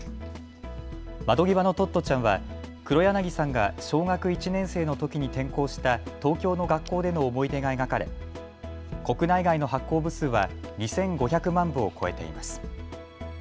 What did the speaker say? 窓ぎわのトットちゃんは黒柳さんが小学１年生のときに転校した東京の学校での思い出が描かれ国内外の発行部数は２５００万部を超えています。